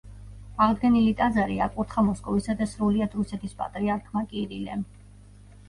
აღდგენილი ტაძარი აკურთხა მოსკოვისა და სრულიად რუსეთის პატრიარქმა კირილემ.